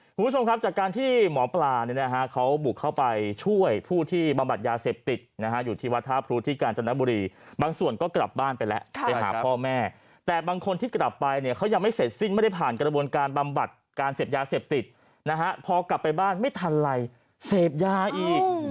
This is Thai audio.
คุณผู้ชมครับจากการที่หมอปลาเนี่ยนะฮะเขาบุกเข้าไปช่วยผู้ที่บำบัดยาเสพติดนะฮะอยู่ที่วัดท่าพลุที่กาญจนบุรีบางส่วนก็กลับบ้านไปแล้วไปหาพ่อแม่แต่บางคนที่กลับไปเนี่ยเขายังไม่เสร็จสิ้นไม่ได้ผ่านกระบวนการบำบัดการเสพยาเสพติดนะฮะพอกลับไปบ้านไม่ทันไรเสพยาอีก